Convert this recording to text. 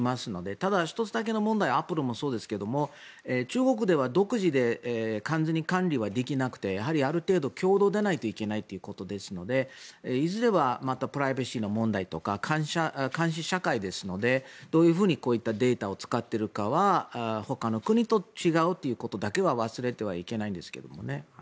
ただ、１つ問題がアップルもそうですが中国では独自で完全に管理はできなくてやはりある程度、共同でないといけないということですのでいずれはまたプライバシーの問題とか監視社会ですのでどういうふうにこういったデータを使っているかはほかの国と違うということだけは忘れてはいけないんですけどもね。